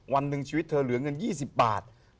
วันหนึ่งชีวิตเธอเหลือเงิน๒๐บาท